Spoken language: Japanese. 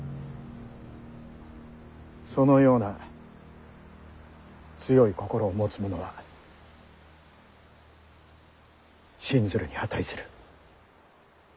そのような強い心を持つ者は信ずるに値する。